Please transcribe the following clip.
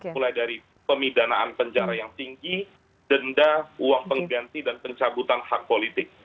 mulai dari pemidanaan penjara yang tinggi denda uang pengganti dan pencabutan hak politik